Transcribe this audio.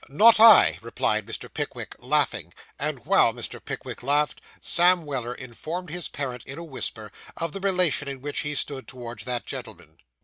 'Not I,' replied Mr. Pickwick, laughing; and while Mr. Pickwick laughed, Sam Weller informed his parent in a whisper, of the relation in which he stood towards that gentleman.